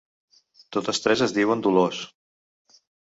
Totes tres es diuen Dolors.